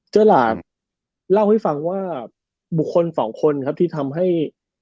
หลานเล่าให้ฟังว่าบุคคลสองคนครับที่ทำให้